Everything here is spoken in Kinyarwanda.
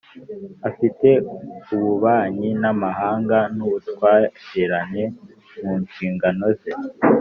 Afite ububanyi n amahanga n ubutwererane mu nshingano ze